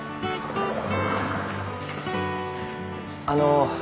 あの。